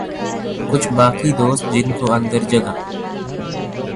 کچھ باقی دوست جن کو اندر جگہ